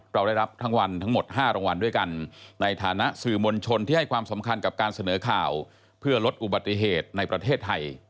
เราได้รับทั้งวันทั้งหมด๕รางวัลด้วยกันในฐานะสื่อมวลชนที่ให้ความสำคัญกับการเสนอข่าวเพื่อลดอุบัติเหตุในประเทศไทย